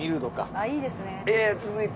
あっいいですね。